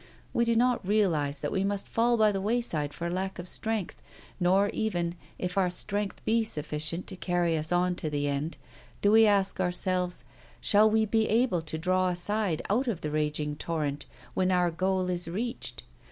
We do not realize that we must fall by the wayside for lack of strength, nor even, if our strength be sufficient to carry us on to the end, do we ask ourselves, shall we be able to draw aside out of the raging torrent when our goal is reached?